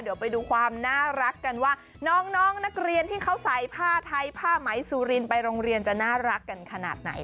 เดี๋ยวไปดูความน่ารักกันว่าน้องนักเรียนที่เขาใส่ผ้าไทยผ้าไหมสุรินไปโรงเรียนจะน่ารักกันขนาดไหน